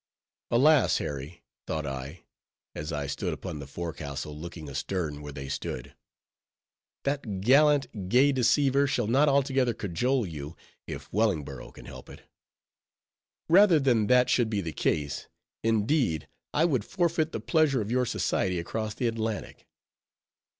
Alas, Harry! thought I,—as I stood upon the forecastle looking astern where they stood,—that "gallant, gay deceiver" shall not altogether cajole you, if Wellingborough can help it. Rather than that should be the case, indeed, I would forfeit the pleasure of your society across the Atlantic.